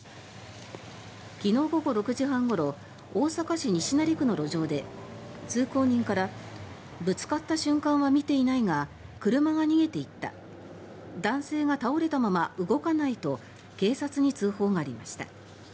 昨日午後６時半ごろ大阪市西成区の路上で通行人からぶつかった瞬間は見ていないが車が逃げていった男性が倒れたまま動かないと警察に通報がありました。